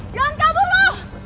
jangan kabur lu